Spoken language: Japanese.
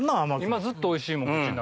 今ずっとおいしいもん口ん中。